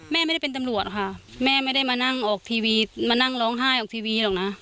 แม่ไม่ได้เป็นตำรวจค่ะแม่ไม่ได้มานั่งออกทีวีมานั่งร้องไห้ออกทีวีหรอกนะ